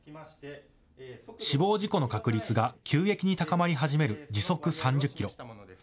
死亡事故の確率が急激に高まり始める時速３０キロ。